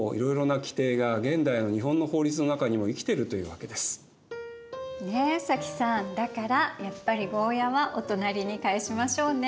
他方でねえ早紀さんだからやっぱりゴーヤはお隣に返しましょうね。